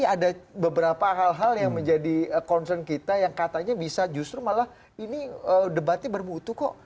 ada beberapa hal hal yang menjadi concern kita yang katanya bisa justru malah ini debatnya bermutu kok